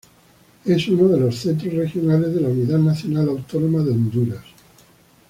Es uno de los centros regionales de la Universidad Nacional Autónoma de Honduras.